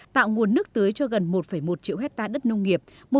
tạo nguồn nước tưới cho gần một một triệu hectare đất nông nghiệp